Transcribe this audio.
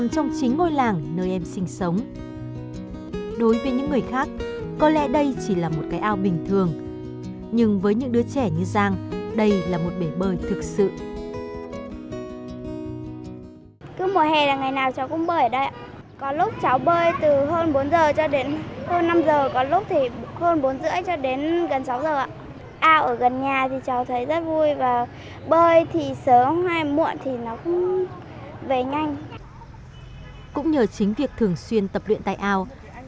xin chào và hẹn gặp lại các bạn trong những video tiếp theo